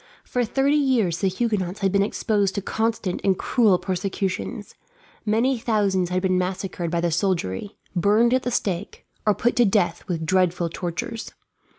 For thirty years the Huguenots had been exposed to constant and cruel persecutions; many thousands had been massacred by the soldiery, burned at the stake, or put to death with dreadful tortures.